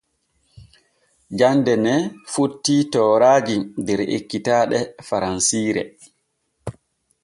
Jande ne fotti tooraaji der ekkitaaɗe faransiire.